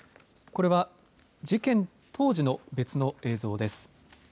これは事件当時の別の映像です。